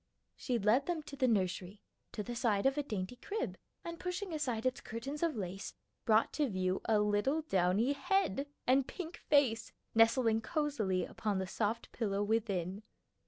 She led them to the nursery; to the side of a dainty crib; and pushing aside its curtains of lace, brought to view a little downy head and pink face nestling cosily upon the soft pillow within.